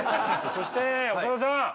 そして長田さん！